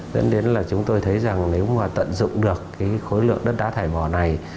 dẫn đến là chúng tôi thấy rằng nếu tận dụng được khối lượng đất đá thải bò này